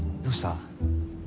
どうした？